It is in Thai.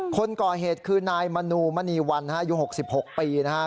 คนก่อเหตุคือนายมณูมณีวันฮะอยู่หกสิบหกปีนะฮะ